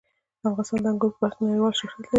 افغانستان د انګور په برخه کې نړیوال شهرت لري.